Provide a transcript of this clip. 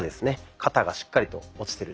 肩がしっかりと落ちてる状態。